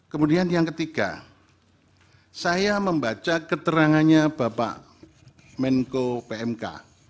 kemudian yang ketiga saya membaca keterangannya bapak menko pmk